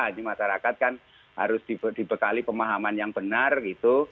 ini masyarakat kan harus dibekali pemahaman yang benar gitu